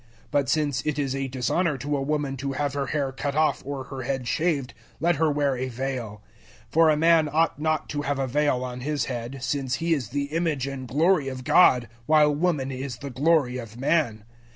But since it is a dishonor to a woman to have her hair cut off or her head shaved, let her wear a veil. 011:007 For a man ought not to have a veil on his head, since he is the image and glory of God; while woman is the glory of man.